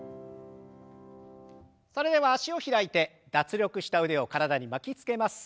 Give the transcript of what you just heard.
それでは脚を開いて脱力した腕を体に巻きつけます。